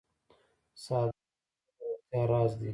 ساده اوبه د روغتیا راز دي